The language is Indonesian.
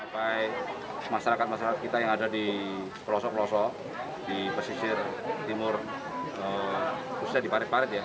by masyarakat masyarakat kita yang ada di pelosok pelosok di persisir timur khususnya di parit parit ya